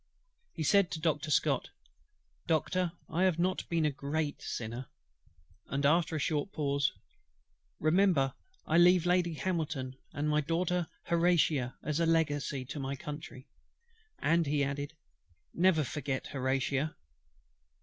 He said to Doctor SCOTT, "Doctor, I have not been a great sinner;" and after a short pause, "Remember, that I leave Lady HAMILTON and my Daughter HORATIA as a legacy to my Country: and," added he, "never forget HORATIA."